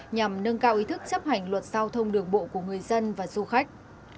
nhằm nâng cao ý thức chấp hành luật giao thông đường bộ của người dân và du khách